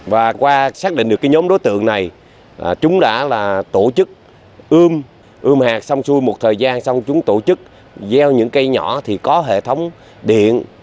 và qua xác định được cái nhóm đối tượng này chúng đã là tổ chức ươm ươm hạt xong xuôi một thời gian xong chúng tổ chức gieo những cây nhỏ thì có hệ thống điện